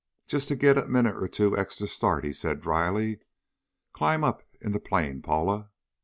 "Just to get a minute or two extra start," he said dryly. "Climb up in the plane, Paula."